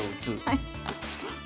はい。